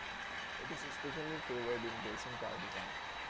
It is especially favored in racing car design.